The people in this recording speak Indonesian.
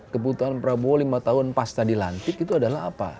kebutuhan prabowo lima tahun pas tadi lantik itu adalah apa